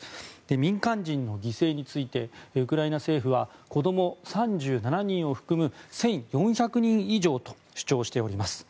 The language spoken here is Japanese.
民間人の犠牲についてウクライナ政府は子供３７人を含む１４００人以上と主張しております。